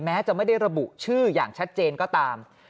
แม้จะไม่ได้ระบุชื่ออย่างชัดเจนก็ตาม